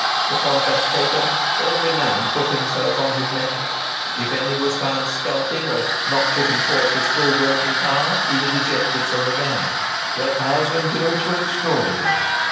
The contract taken, every man put himself on his mettle; if any was found skulking, or not putting forth his full working power, he was ejected from the gang. Their powers of endurance were extraordinary.